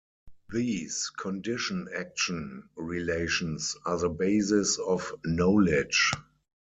These "condition-action" relations are the basis of knowledge.